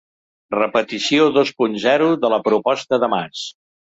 Repetició dos punt zero de la proposta de Mas